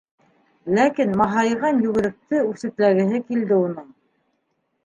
Ләкин маһайған йүгеректе үсекләгеһе килде уның.